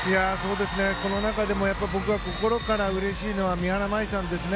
この中でも僕は心から嬉しいのは三原舞依さんですね。